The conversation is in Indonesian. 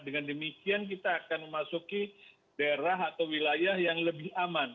dengan demikian kita akan memasuki daerah atau wilayah yang lebih aman